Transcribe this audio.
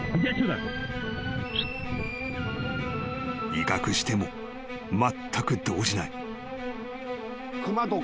［威嚇してもまったく動じない］